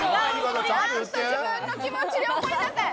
ちゃんと自分の気持ちで怒りなさい！